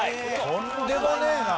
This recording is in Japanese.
とんでもねえな。